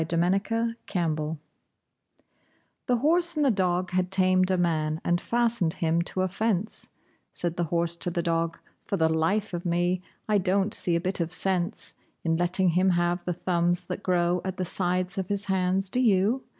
HORSE, DOG AND MAN The horse and the dog had tamed a man and fastened him to a fence: Said the horse to the dog: "For the life of me, I don't see a bit of sense In letting him have the thumbs that grow at the sides of his hands. Do you?"